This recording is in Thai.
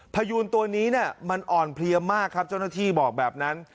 พยูนตัวนี้มันอ่อนเพลียมากครับเจ้าหน้าที่บอกแบบนั้น